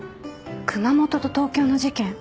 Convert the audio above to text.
熊本と東京の事件